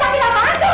sakit apaan tuh